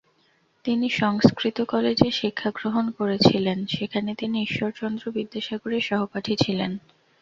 তিনি সংস্কৃত কলেজের শিক্ষাগ্রহণ করেছিলেন, সেখানে তিনি ঈশ্বরচন্দ্র বিদ্যাসাগরের সহপাঠী ছিলেন।